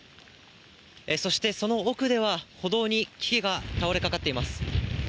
そして、その奥では歩道に木が倒れかかっています。